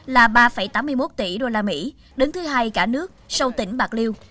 là ba tám mươi một tỷ usd đứng thứ hai cả nước sau tỉnh bạc liêu